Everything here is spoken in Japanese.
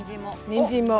にんじんも。